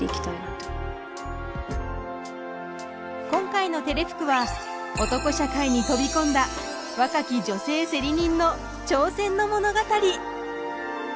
今回の「＃てれふく」は男社会に飛び込んだ若き女性競り人の挑戦の物語！